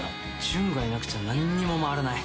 純がいなくちゃ何にも回らない。